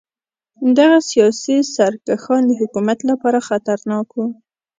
دغه سیاسي سرکښان د حکومت لپاره خطرناک وو.